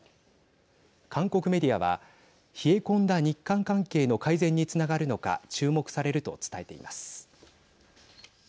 韓国メディアは冷え込んだ日韓関係の改善につながるのか注目されると伝えています。